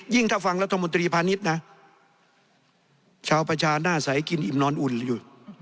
ถ้าฟังรัฐมนตรีพาณิชย์นะชาวประชาหน้าใสกินอิ่มนอนอุ่นอยู่